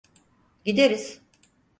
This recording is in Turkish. Gideriz.